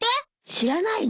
知らないの？